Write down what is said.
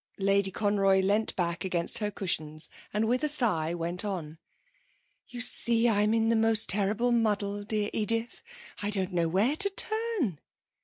Lady Conroy leant back against her cushions and with a sigh went on: 'You see, I'm in the most terrible muddle, dear Edith. I don't know where to turn.'